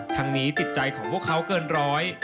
ทั้งนี้จิตใจของพวกเขาเกินร้อย